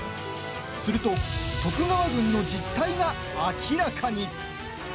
すると、徳川軍の実態が明らかに。